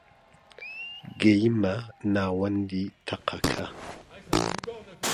گەیمە ناوەندی تەقەکە